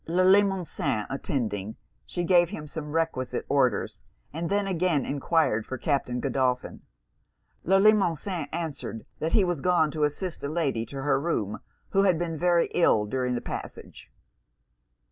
Le Limosin attending, she gave him some requisite orders, and then again enquired for Captain Godolphin. Le Limosin answered, that he was gone to assist a lady to her room, who had been very ill during the passage.